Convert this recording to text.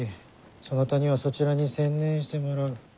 そなたにはそちらに専念してもらう。